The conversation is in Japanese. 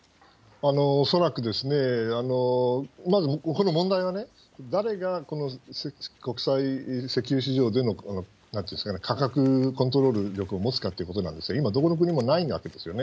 恐らくまずこの問題は、誰がこの国際石油市場での、なんていうんですかね、価格コントロール力を持つかということなんですが、今どこの国にもないわけですよね。